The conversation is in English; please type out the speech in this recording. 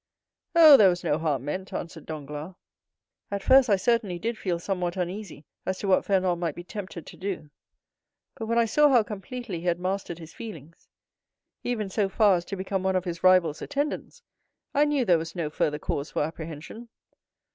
"Oh, there was no harm meant," answered Danglars; "at first I certainly did feel somewhat uneasy as to what Fernand might be tempted to do; but when I saw how completely he had mastered his feelings, even so far as to become one of his rival's attendants, I knew there was no further cause for apprehension."